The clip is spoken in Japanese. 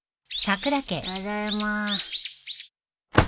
ただいま。